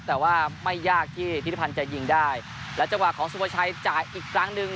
แต่ว่าไม่ยากที่ทิศิพันธ์จะยิงได้และจังหวะของสุภาชัยจ่ายอีกครั้งหนึ่ง